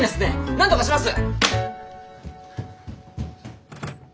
なんとかします！